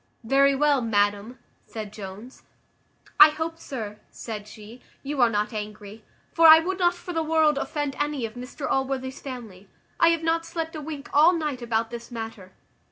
"Very well, madam," said Jones. "I hope, sir," said she, "you are not angry; for I would not for the world offend any of Mr Allworthy's family. I have not slept a wink all night about this matter."